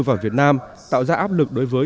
vào việt nam tạo ra áp lực đối với